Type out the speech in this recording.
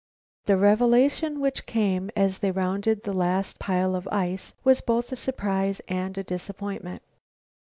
The revelation which came as they rounded the last pile of ice was both a surprise and a disappointment.